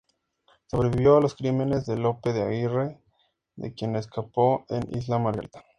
Sobrevivió a los crímenes de Lope de Aguirre, de quien escapó en Isla Margarita.